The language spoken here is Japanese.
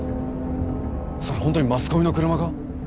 それ本当にマスコミの車か？